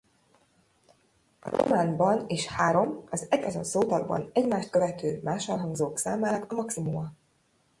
A románban is három az egyazon szótagban egymást követő mássalhangzók számának a maximuma.